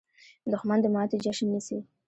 دښمن د ماتې جشن نیسي